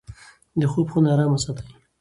د خوب خونه ارامه وساتئ.